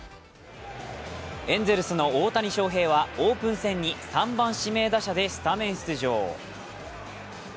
エンゼルスの大谷翔平はオープン戦に３番指名打者でスタメン出場。